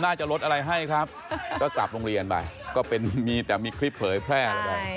จะลดอะไรให้ครับก็กลับโรงเรียนไปก็เป็นมีแต่มีคลิปเผยแพร่อะไรไป